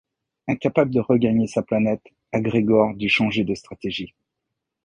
Incapable de regagner sa planète, Aggregor dut changer de stratégie.